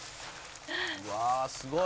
「うわあすごい！」